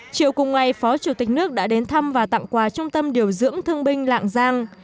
chiều cùng ngày phó chủ tịch nước đã đến thăm và tặng quà trung tâm điều dưỡng thương binh lạng giang